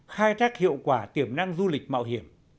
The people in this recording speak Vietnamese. khai thác hiệu quả tiềm năng du lịch mạo hiểm